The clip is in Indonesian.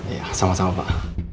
ya sama sama pak